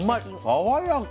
爽やか。